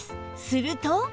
すると